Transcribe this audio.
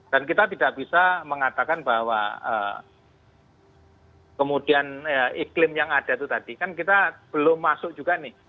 dan kita tidak bisa mengatakan bahwa kemudian iklim yang ada itu tadi kan kita belum masuk juga nih